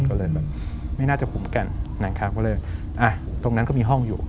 ก็เลยไม่น่าจะขุมแก่นตรงนั้นก็มีห้องอยู่